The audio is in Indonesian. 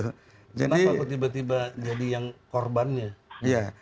kenapa kok tiba tiba jadi yang korbannya